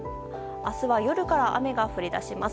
明日は夜から雨が降り出します。